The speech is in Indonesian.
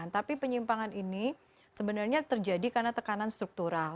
tapi penyimpangan ini sebenarnya terjadi karena tekanan struktural